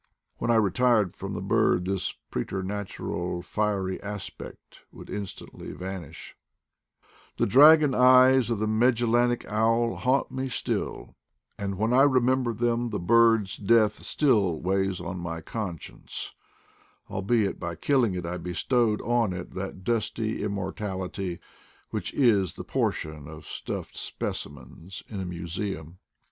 When I retired from the bird this preternatural fiery aspect would instantly vanish* The dragon eyes of that Magellanic owl haunt me still, and when I remember them, the bird's I f >r* »'*■^ W m MAGELLANIC EAGLE OWL CONCEENINO EYES 187 death still weighs on my conscience, albeit by killing it I bestowed on it that dusty immortality which is the portion of staffed specimens in a museum.